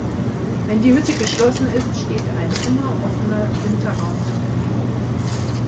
Wenn die Hütte geschlossen ist, steht ein immer offener Winterraum zur Verfügung.